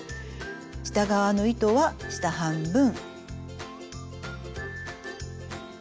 下側の糸は下半分。